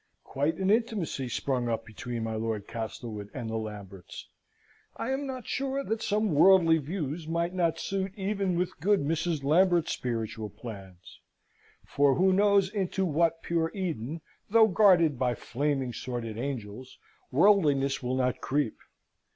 Quite an intimacy sprung up between my Lord Castlewood and the Lamberts. I am not sure that some worldly views might not suit even with good Mrs. Lambert's spiritual plans (for who knows into what pure Eden, though guarded by flaming sworded angels, worldliness will not creep?).